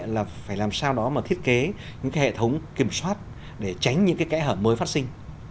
là phải làm sao đó mà thiết kế những cái hệ thống kiểm soát để tránh những cái kẽ hở mới phát sinh